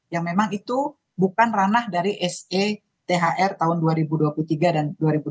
yang memang itu bukan ranah dari se thr tahun dua ribu dua puluh tiga dan dua ribu dua puluh